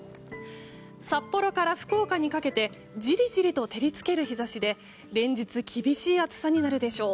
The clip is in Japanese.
札幌から福岡にかけてじりじりと照り付ける日差しで連日厳しい暑さになるでしょう。